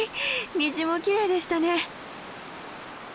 虹もきれいでしたね。